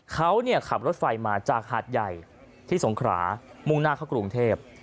เขาขับรถไฟมาจากหาดใหญ่ที่สงขรามุ่งหน้าเข้ากรุงเทพ